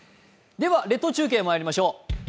列島中継まいりましょう。